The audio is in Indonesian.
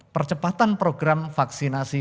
percepatan program vaksinasi